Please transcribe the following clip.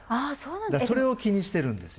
それを気にしているんですよ。